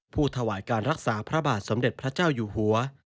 ถวายการรักษาพระบาทสมเด็จพระเจ้าอยู่หัว